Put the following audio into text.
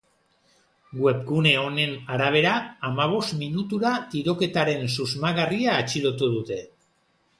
Webgune honen arabera, hamabost minutura tiroketaren susmagarria atxilotu dute.